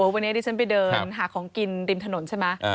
วันนี้ดิฉันไปเดินหาของกินริมถนนใช่ไหม